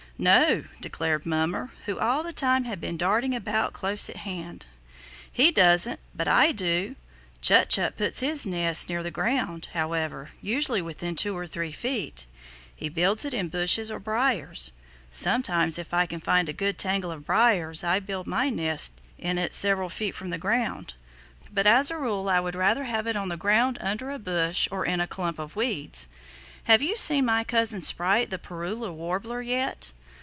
"No," declared Mummer, who all the time had been darting about close at hand. "He doesn't, but I do. Chut Chut puts his nest near the ground, however, usually within two or three feet. He builds it in bushes or briars. Sometimes if I can find a good tangle of briars I build my nest in it several feet from the ground, but as a rule I would rather have it on the ground under a bush or in a clump of weeds. Have you seen my cousin Sprite the Parula Warbler, yet?"